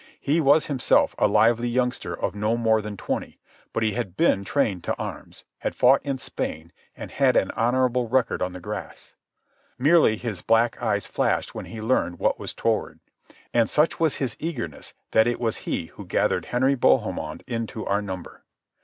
He was himself a lively youngster of no more than twenty, but he had been trained to arms, had fought in Spain, and had an honourable record on the grass. Merely his black eyes flashed when he learned what was toward, and such was his eagerness that it was he who gathered Henry Bohemond in to our number.